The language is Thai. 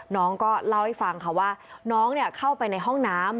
น้องก็เล่าให้ฟังค่ะว่าน้องเข้าไปในห้องน้ำ